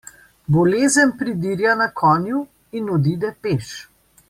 Bolezen pridirja na konju in odide peš.